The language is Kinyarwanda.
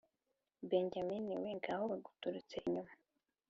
«Benyamini we, ngaho baguturutse inyuma!»